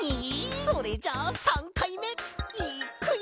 それじゃあ３かいめいっくよ！